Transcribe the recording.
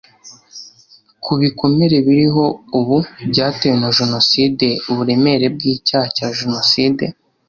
ku bikomere biriho ubu byatewe na jenoside uburemere bw icyaha cya jenoside